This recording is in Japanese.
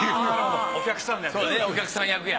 お客さんの役ね。